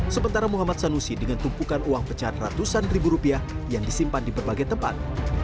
sementara muhammad sanusi dengan tumpukan uang pecat ratusan ribu rupiah yang disimpan di berbagai tempat